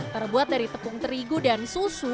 terbuat dari tepung terigu dan susu